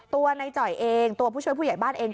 ตัวในจ่อยเองตัวผู้ช่วยผู้ใหญ่บ้านเอง